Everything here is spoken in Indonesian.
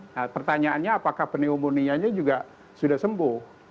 nah pertanyaannya apakah pneumonia nya juga sudah sembuh